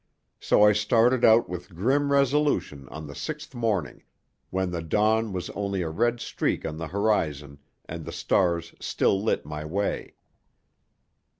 So I started out with grim resolution on the sixth morning, when the dawn was only a red streak on the horizon and the stars still lit my way.